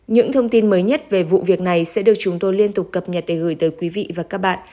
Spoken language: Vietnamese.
những thông tin mới nhất về vụ việc này sẽ được chúng tôi liên tục cập nhật để gửi tới quý vị và các bạn